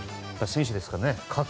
選手ですからね。